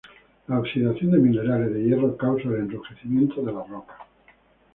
La oxidación de minerales de hierro causa el enrojecimiento de las rocas.